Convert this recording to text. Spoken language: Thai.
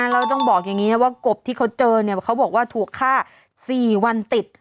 เราต้องบอกอย่างนี้นะว่ากบที่เขาเจอเนี่ยเขาบอกว่าถูกฆ่า๔วันติด